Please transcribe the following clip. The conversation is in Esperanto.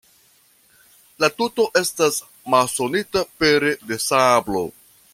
La tuto estas masonita pere de sablo.